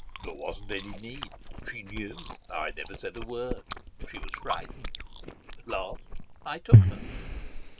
"There wasn't any need. She knew. I never said a word. She was frightened. At last I took her."